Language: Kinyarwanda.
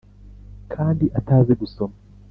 kandi atazi gusoma